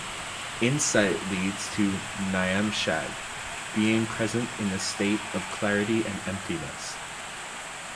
Insight leads to "nyamshag", "being present in the state of clarity and emptiness".